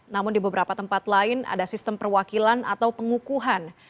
namun di beberapa tempat lain ada sistem perwakilan atau pengukuhan